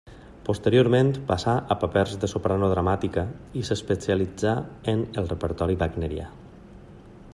Posteriorment passà a papers de soprano dramàtica i s'especialitzà en el repertori wagnerià.